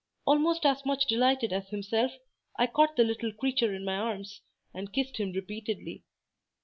Almost as much delighted as himself, I caught the little creature in my arms, and kissed him repeatedly.